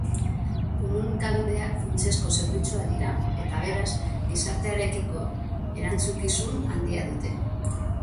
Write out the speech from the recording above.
Komunikabideak funtsezko zerbitzua dira eta, beraz, gizartearekiko erantzukizun handia dute.